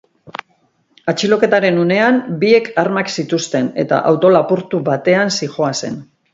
Atxiloketaren unean, biek armak zituzten, eta auto lapurtu batean zihoazen.